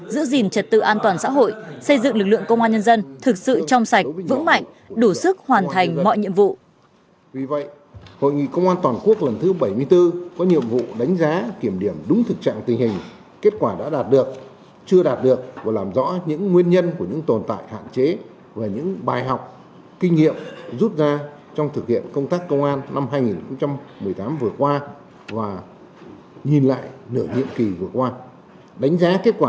giữ gìn trật tự an toàn xã hội xây dựng lực lượng công an nhân dân thực sự trong sạch vững mạnh đủ sức hoàn thành mọi nhiệm vụ